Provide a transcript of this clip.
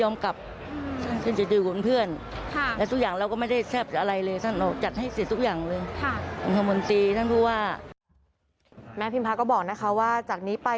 แม่พิมพาก็บอกนะคะว่าจากนี้ไป